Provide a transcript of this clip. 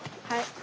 はい。